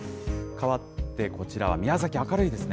変わって、こちらは宮崎、明るいですね。